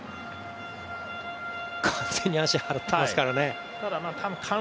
完全に足払ってますからね。